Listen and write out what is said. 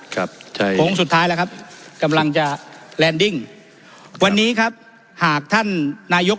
ครับผมสุดท้ายแล้วครับกำลังจะวันนี้ครับหากท่านนายก